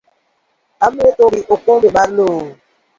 Ametho gi okombe mar loo